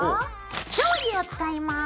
定規を使います。